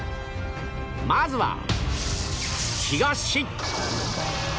まずは東